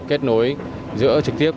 kết nối giữa trực tiếp